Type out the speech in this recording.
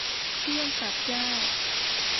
เครื่องตัดหญ้า